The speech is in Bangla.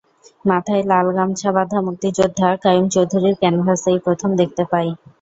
মাথায় লাল গামছা বাঁধা মুক্তিযোদ্ধা কাইয়ুম চৌধুরীর ক্যানভাসেই প্রথম দেখতে পাই।